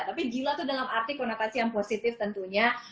tapi gila itu dalam arti konotasi yang positif tentunya